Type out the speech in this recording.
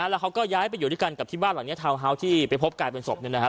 แล้วเขาก็ย้ายไปอยู่ด้วยกันกับที่บ้านหลังนี้ทาวน์ฮาส์ที่ไปพบกลายเป็นศพเนี่ยนะครับ